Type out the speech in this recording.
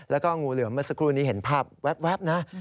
แล้วก็งูเหลือมเมื่อสักครู่นี้เห็นภาพแว๊บนะ